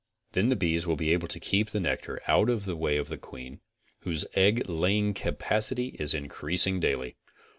Then the bees will be able to keep the nectar out of the way of a queen, whose egg laying capacity is increasing daily.